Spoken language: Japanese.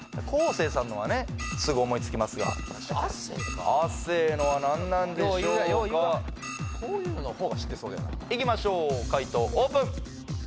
生さんのはねすぐ思いつきますが亜生のは何なんでしょうかよう言うわよう言うわいきましょう回答オープン！